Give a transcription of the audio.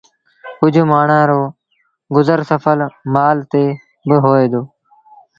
ڪجه مآڻهآݩ رو گزر سڦر مآل تي بآ هوئي دو